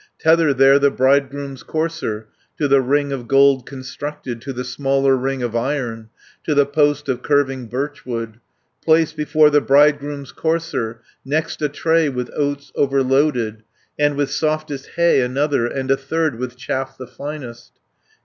Tether there the bridegroom's courser, To the ring of gold constructed, 100 To the smaller ring of iron, To the post of curving birchwood, Place before the bridegroom's courser, Next a tray with oats overloaded, And with softest hay another, And a third with chaff the finest.